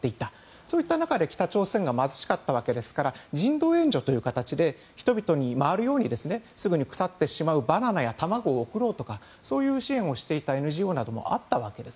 その中で北朝鮮は貧しかったわけですから人道援助という形で人々に回るようにすぐに腐ってしまうバナナや卵を送ろうという支援をしていたＮＧＯもあったわけです。